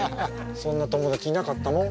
そんな友達いなかったもん。